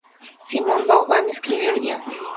Simon Vaughan escribió el guion.